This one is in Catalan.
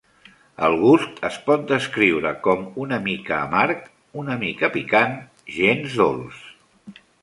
El gust es pot descriure com "una mica amarg, una mica picant, gens dolç".